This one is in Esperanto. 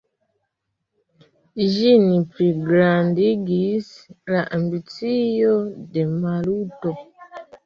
Ĝin pligrandigis la ambicio de Maluto.